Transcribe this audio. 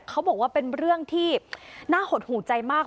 เขาบอกว่าเป็นเรื่องที่น่าหดหูใจมาก